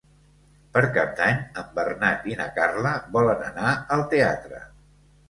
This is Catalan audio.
Per Cap d'Any en Bernat i na Carla volen anar al teatre.